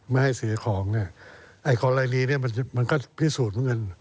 ไม่ให้เสียของเนี่ยไอ้กรณีนี้มันก็พิสูจน์เหมือนกัน